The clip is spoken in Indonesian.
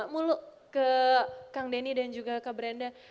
mulut ke kang denny dan juga ke brenda